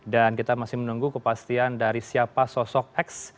dan kita masih menunggu kepastian dari siapa sosok x